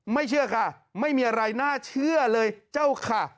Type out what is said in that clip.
เชื่อค่ะไม่มีอะไรน่าเชื่อเลยเจ้าค่ะ